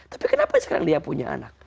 tapi kenapa sekarang dia punya anak